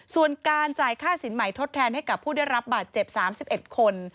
ส่วนการจ่ายค่าสินใหม่ทดแทนให้กับผู้ได้รับบาดเจ็บ๓๑คน